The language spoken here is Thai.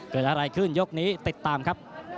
เกิดอะไรขึ้นยกนี้ติดตามครับ